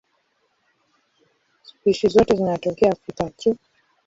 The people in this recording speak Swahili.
Spishi zote zinatokea Afrika tu.